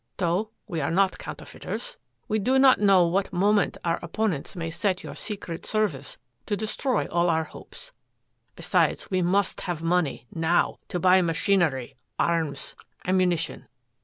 "Though we are not counterfeiters," he went on, "we do not know what moment our opponents may set your Secret Service to destroy all our hopes. Besides, we must have money now to buy machinery, arms, ammunition.